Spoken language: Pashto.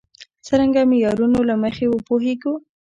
څرنګه معیارونو له مخې وپوهېږو.